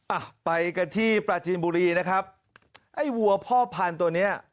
อ่ะไปกันที่ปราจีนบุรีนะครับไอ้วัวพ่อพันธุ์ตัวเนี้ย